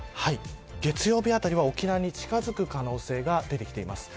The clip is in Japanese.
月曜日あたりは沖縄に近づく可能性が出てきています。